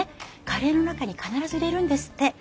カレーの中に必ず入れるんですって。